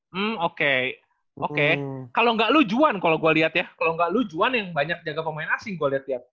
hmm oke oke kalo enggak lu juan kalo gua liat ya kalo enggak lu juan yang banyak jaga pemain asing gua liat ya